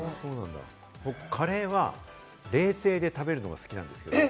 カレーは冷製で食べるのが好きなんですよ。